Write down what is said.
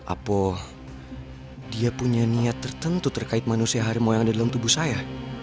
apol dia punya niat tertentu terkait manusia harimau yang ada dalam tubuh saya